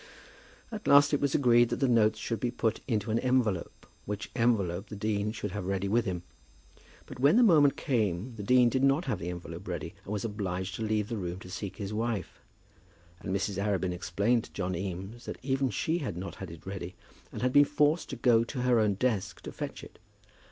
At last it was agreed that the notes should be put into an envelope, which envelope the dean should have ready with him. But when the moment came the dean did not have the envelope ready, and was obliged to leave the room to seek his wife. And Mrs. Arabin explained to John Eames that even she had not had it ready, and had been forced to go to her own desk to fetch it.